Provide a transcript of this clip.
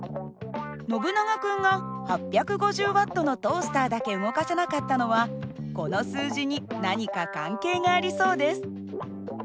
ノブナガ君が８５０Ｗのトースターだけ動かせなかったのはこの数字に何か関係がありそうです。